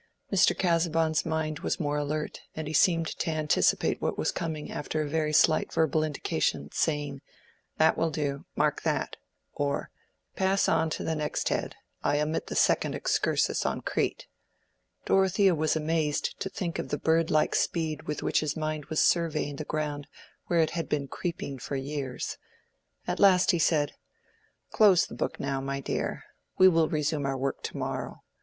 Mr. Casaubon's mind was more alert, and he seemed to anticipate what was coming after a very slight verbal indication, saying, "That will do—mark that"—or "Pass on to the next head—I omit the second excursus on Crete." Dorothea was amazed to think of the bird like speed with which his mind was surveying the ground where it had been creeping for years. At last he said— "Close the book now, my dear. We will resume our work to morrow.